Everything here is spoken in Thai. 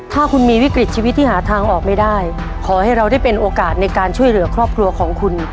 ถ้าคุณมีวิกฤตชีวิตที่หาทางออกไม่ได้ขอให้เราได้เป็นโอกาสในการช่วยเหลือครอบครัวของคุณ